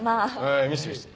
見せて見せて。